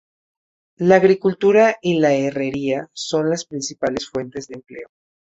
La agricultura y la herrería son las principales fuentes de empleo.